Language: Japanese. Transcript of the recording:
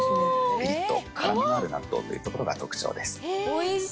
ぴりっと辛みのある納豆というところが特徴です。